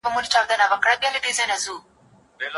که ئې په عدد کي شک وو.